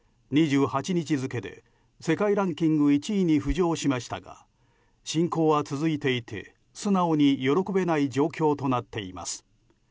２８日付で世界ランキング１位に浮上しましたが侵攻は続いていて、素直に喜べない状況となっています。